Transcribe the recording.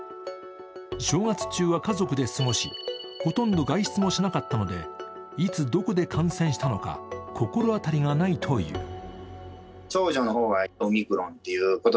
正月中は家族で過ごし、ほとんど外出もしなかったのでいつ、どこで感染したのか心当たりがないという。